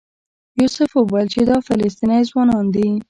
یوسف وویل چې دا فلسطینی ځوانان دي.